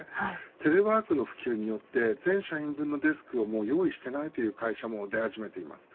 テレワークの普及によって全社員分のデスクをもう用意していないという会社も出始めています。